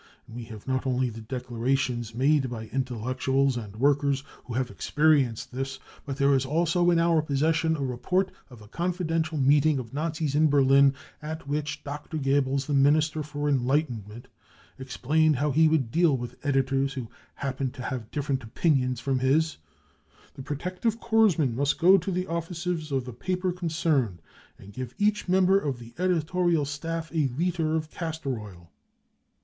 And we have not only the declarations made by intellectuals and workers who have experienced this, but there is also in our possession a report of a confidential meeting of Nazis in Berlin, at which Dr. Goefebels, the Minister for Enlighten ment, explained how he would deal with editors who happened to have different opinions from his : c< The* protective corps men must go to the offices of the paper concerned, and give each member of the editorial staff a litre of castor oil.